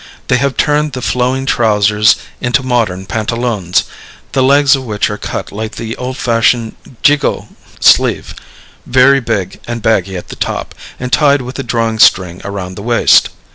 They have turned the flowing trousers into modern pantaloons, the legs of which are cut like the old fashioned gigot sleeve, very big and baggy at the top, and tied with a drawing string around the waist.